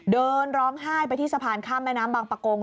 เดินร้องไห้ไปที่สะพานข้ามแม่น้ำบางประกง